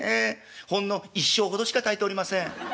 ほんの一升ほどしか炊いておりません」。